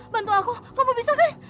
bantu aku kamu bisa deh